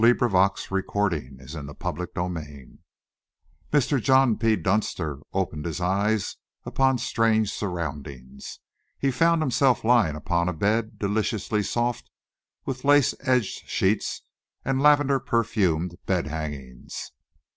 He looked steadily eastward. CHAPTER VI Mr. John P. Dunster opened his eyes upon strange surroundings. He found himself lying upon a bed deliciously soft, with lace edged sheets and lavender perfumed bed hangings.